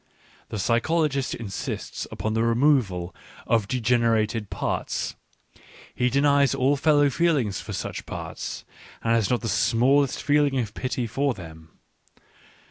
The physiologist insists upon the removal of' degener ated parts, he denies all fellow feeling for such parts, and has not the smallest feeling of pity for them.